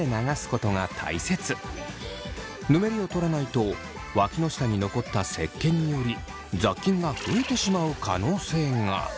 ぬめりをとらないとわきの下に残ったせっけんにより雑菌が増えてしまう可能性が。